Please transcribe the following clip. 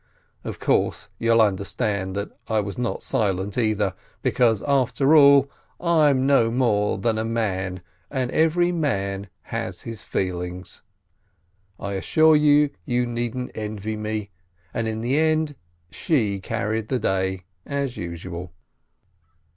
Of course, you'll under stand that I was not silent, either, because, after all, I'm no more than a man, and every man has his feel ings. I assure you, you needn't envy me, and in the end she carried the day, as usual.